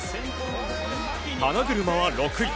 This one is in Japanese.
花車は６位。